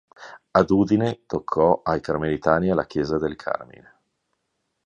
Ad Udine toccò ai carmelitani e alla chiesa del Carmine.